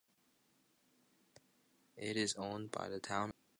It is owned by the Town of Fryeburg.